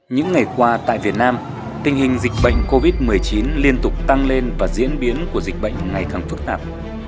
những ngày qua tại việt nam tình hình dịch bệnh covid một mươi chín liên tục tăng lên và diễn biến của dịch bệnh ngày càng phức tạp